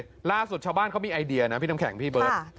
เมื่อไปลราสุดชาวบ้านก็มีไอเดียน่ะพี่นำแข็งพี่เบิศ